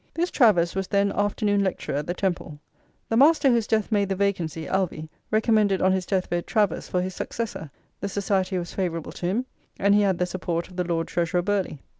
This Travers was then afternoon lecturer at the Temple. The Master whose death made the vacancy, Alvey, recommended on his deathbed Travers for his successor, the society was favourable to him, and he had the support of the Lord Treasurer Burghley.